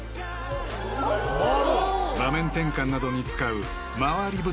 ［場面転換などに使う］